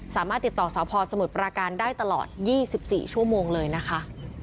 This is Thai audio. สามารถติดต่อสพสมุทรปราการได้ตลอด๒๔ชั่วโมงเลยนะคะ